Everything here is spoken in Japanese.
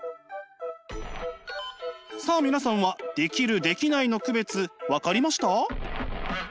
さあ皆さんはできるできないの区別分かりました？